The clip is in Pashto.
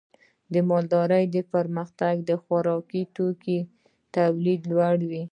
د مالدارۍ پرمختګ د خوراکي توکو تولید لوړوي.